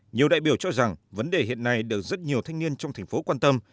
nhiều đại biểu cho rằng vấn đề hiện nay được rất nhiều thanh niên trong thành phố quan tâm